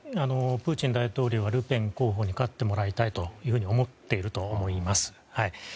プーチン大統領はルペン候補に勝ってもらいたいと思っていると思います。